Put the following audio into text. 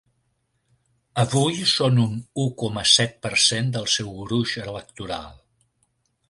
Avui són un u coma set per cent del seu gruix electoral.